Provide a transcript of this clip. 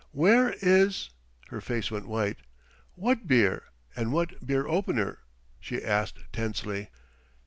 "Where is " Her face went white. "What beer and what beer opener?" she asked tensely.